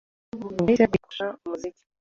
Ubwo nahisemo kwiga kurusha umuziki